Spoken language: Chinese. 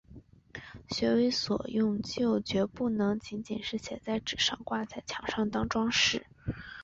学为所用就决不能仅仅是写在纸上、挂在墙上当‘装饰’